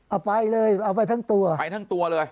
เอาไปเลยเอาไปทั้งตัวไปทั้งตัวเลย